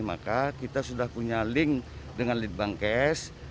maka kita sudah punya link dengan litban ks